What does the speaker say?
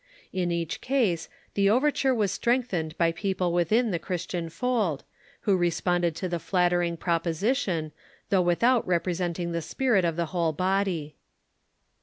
In each case the overture was strengthened by people within the Christian fold, who responded to the flattering proposi tion, though without representing the spirit of the whole body.